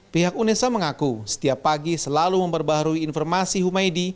pihak unesa mengaku setiap pagi selalu memperbaharui informasi humaydi